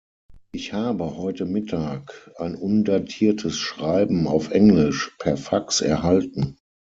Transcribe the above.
Ich habe heute Mittag ein undatiertes Schreiben auf Englisch per Fax erhalten.